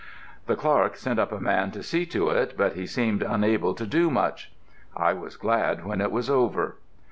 The clerk sent up a man to see to it, but he seemed unable to do much. I was glad when it was over.